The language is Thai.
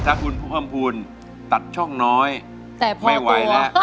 ถ้าคุณเผวมภูมิตัดช่องน้อยไม่ไหวนะ